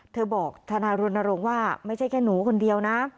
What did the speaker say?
เธอบอกทนายรณรงค์ว่าไม่ใช่แค่หนูคนเดียวนะ